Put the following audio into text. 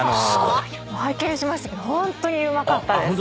拝見しましたけどホントにうまかったです。